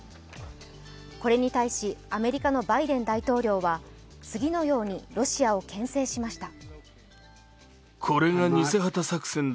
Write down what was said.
これに対し、アメリカのバイデン大統領は次のようにロシアをけん制しました。